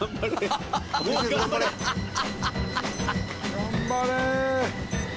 頑張れ。